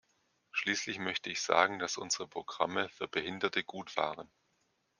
Schließlich möchte ich sagen, dass unsere Programme für Behinderte gut waren.